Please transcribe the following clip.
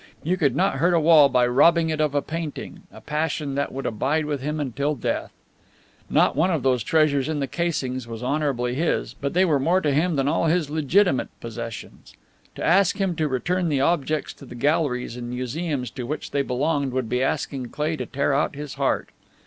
You could not hurt a wall by robbing it of a painting a passion that would abide with him until death. Not one of these treasures in the casings was honourably his, but they were more to him than all his legitimate possessions. To ask him to return the objects to the galleries and museums to which they belonged would be asking Cleigh to tear out his heart.